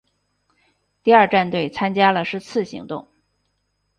第二战队参加了是次行动。